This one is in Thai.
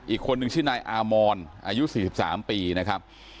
อีกคนนึงชื่อนายอามอนอายุ๔๓ปีนะครับ